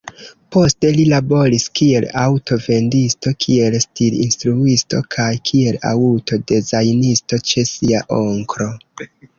Poste li laboris kiel aŭto-vendisto, kiel stir-instruisto kaj kiel aŭto-dezajnisto ĉe sia onklo.